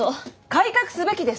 改革すべきです！